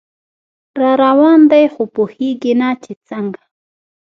راروان دی خو پوهیږي نه چې څنګه